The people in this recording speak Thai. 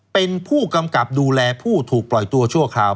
เป็นผู้กำกับดูแลผู้ถูกปล่อยตัวชั่วคราว